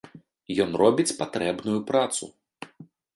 Ён робіць патрэбную працу!